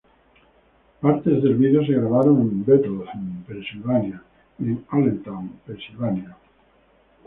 Partes del vídeo se grabaron en Bethlehem, Pensilvania, y en Allentown, Pensilvania.